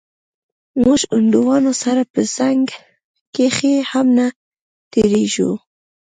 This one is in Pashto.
موږ هندوانو سره په څنگ کښې هم نه تېرېږو.